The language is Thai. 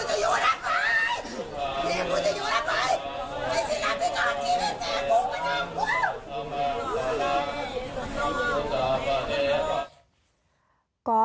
ไม่ใช่รักที่ก่อนที่ไม่แสงคุณมันน่ากลัว